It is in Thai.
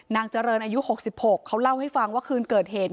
นางเจริญอายุ๖๖เขาเล่าให้ฟังว่าคืนเกิดเหตุ